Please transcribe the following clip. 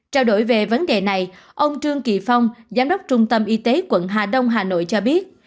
trao đổi về vấn đề này ông trương kỳ phong giám đốc trung tâm y tế quận hà đông hà nội cho biết